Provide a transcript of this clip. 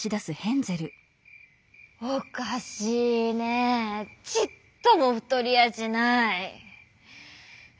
「おかしいねぇちっともふとりやしない」。